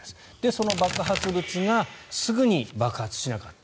その爆発物がすぐに爆発しなかった。